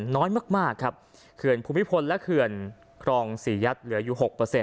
น้อยมากครับเคลื่อนภูมิพลและเคลื่อนคลองสี่ยัดเหลืออยู่๖